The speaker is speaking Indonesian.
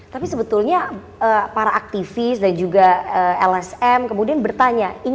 tapi sebetulnya para aktivis dan juga lsm kemudian bertanya